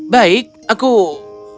baik aku akan melihatnya